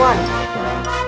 tidak ada keliatan